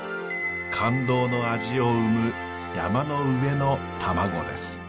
感動の味を生む山の上の卵です。